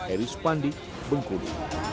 eris pandi bengkulu